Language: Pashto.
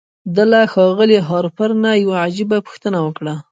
ده له ښاغلي هارپر نه يوه عجيبه پوښتنه وکړه.